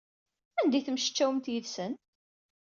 Anda ay temmectcawemt yid-sen?